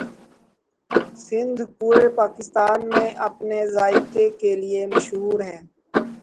سندھ پورے پاکستان میں اپنے ذاہقے کے لیے مشہور ہےـ